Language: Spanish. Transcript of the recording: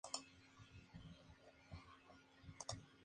Para llevar a efecto lo que tengo expuesto, cuento con la cooperación de Ud.